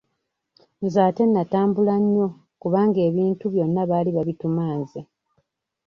Nze ate nnatambula nnyo kubanga ebintu byonna baali babituma nze.